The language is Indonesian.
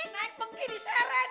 naik pengkini seret